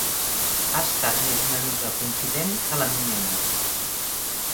Ha estat més una amiga confident que la minyona.